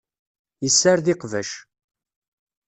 Yessared iqbac.